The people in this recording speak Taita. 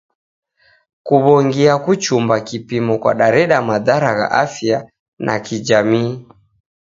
Kuw'ongia kuchumba kipimo kwadareda madhara gha afya na kijamii.